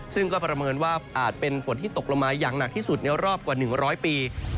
ซึ่งก็ประเมินว่าอาจเป็นฝนที่ตกลงมาอย่างหนักที่สุดในรอบกว่า๑๐๐ปี